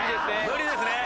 無理ですね。